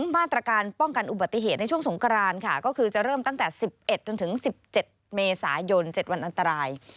มาตรการป้องกันอุบัติเหตุในช่วงสงกรานค่ะก็คือจะเริ่มตั้งแต่๑๑จนถึง๑๗เมษายน๗วันอันตราย